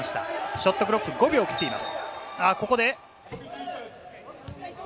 ショットクロック５秒を切っています。